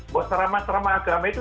bukan serama serama agama itu